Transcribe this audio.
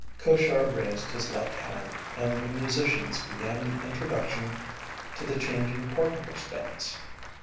Koshar raised his left hand, and the musicians began the introduction to the changing partners dance.